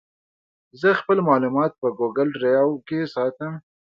زه خپل معلومات په ګوګل ډرایو ساتم.